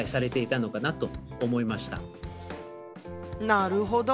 なるほど。